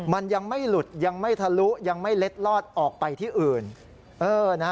มันยังไม่หลุดยังไม่ทะลุยังไม่เล็ดลอดออกไปที่อื่น